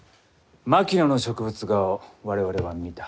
槙野の植物画を我々は見た。